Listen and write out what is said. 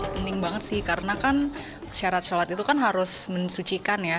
penting banget sih karena kan syarat sholat itu kan harus mensucikan ya